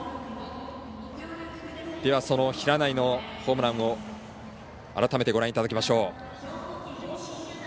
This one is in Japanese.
その平内のホームランを改めて、ご覧いただきましょう。